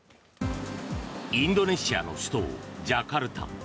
インドネシアの首都ジャカルタ。